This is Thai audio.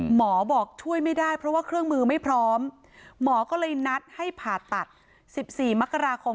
หมอบอกช่วยไม่ได้เพราะว่าเครื่องมือไม่พร้อมหมอก็เลยนัดให้ผ่าตัด๑๔มกราคม